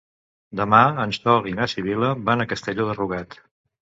Demà en Sol i na Sibil·la van a Castelló de Rugat.